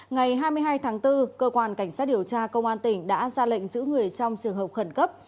ngày hai mươi hai tháng bốn cơ quan cảnh sát điều tra công an tỉnh đã ra lệnh giữ người trong trường hợp khẩn cấp